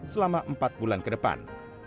selama empat bulan ke depan